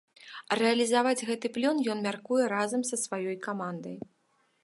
Рэалізаваць гэты план ён мяркуе разам са сваёй камандай.